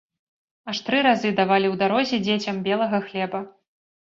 Аж тры разы давалі ў дарозе дзецям белага хлеба.